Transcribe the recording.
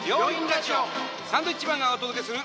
サンドウィッチマンがお届けする！